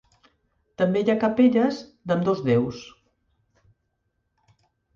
També hi ha capelles d'ambdós déus.